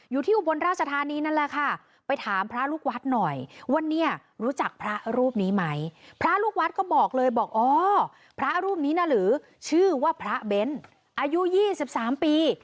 อุบลราชธานีนั่นแหละค่ะไปถามพระลูกวัดหน่อยว่าเนี่ยรู้จักพระรูปนี้ไหมพระลูกวัดก็บอกเลยบอกอ๋อพระรูปนี้นะหรือชื่อว่าพระเบ้นอายุ๒๓ปี